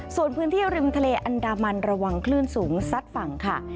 ส่วนพื้นที่ริมทะเลอันดามันระวังคลื่นสูงซัดฝั่งค่ะ